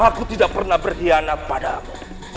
aku tidak akan pernah berkhianat pada kamu